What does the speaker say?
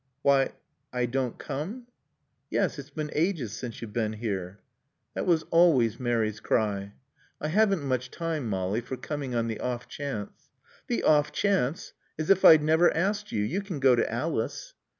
"Why I don't come?" "Yes. It's ages since you've been here." That was always Mary's cry. "I haven't much time, Molly, for coming on the off chance." "The off chance! As if I'd never asked you! You can go to Alice."